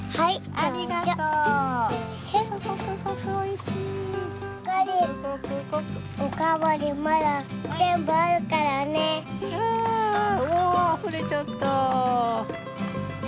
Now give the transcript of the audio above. あおおあふれちゃった！